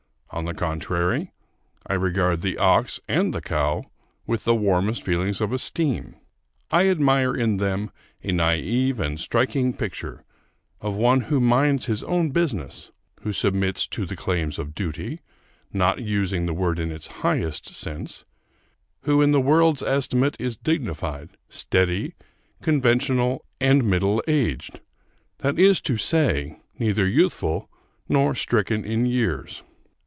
On the contrary, I regard the ox and the cow with the warmest feelings of esteem. I admire in them a naïve and striking picture of one who minds his own business; who submits to the claims of duty, not using the word in its highest sense; who in the world's estimate is dignified, steady, conventional, and middle aged, that is to say, neither youthful nor stricken in years.